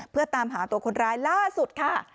เพื่อตามหาตัวคนร้ายล่าสุดค่ะ